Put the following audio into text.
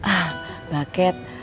ah mbak kat